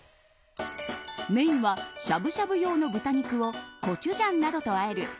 メインはしゃぶしゃぶ用の豚肉をコチュジャンなどと和える